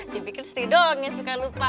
dipikir sri dong yang suka lupa